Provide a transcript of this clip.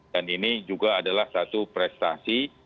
dan ini juga adalah satu prestasi